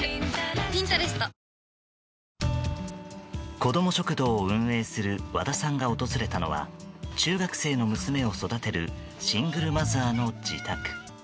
子ども食堂を運営する和田さんが訪れたのは中学生の娘を育てるシングルマザーの自宅。